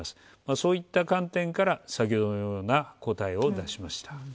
そういった観点から先ほどのような答えを出しました。